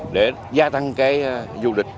để gia tăng du lịch